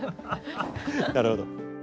なるほど。